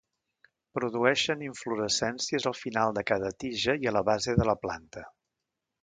Produeixen inflorescències al final de cada tija i a la base de la planta.